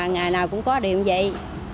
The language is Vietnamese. ngày nào cũng có điểm vậy